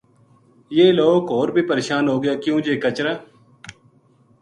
یہ لوک ہور بے پریشان ہو گیا کیوں جے کچراں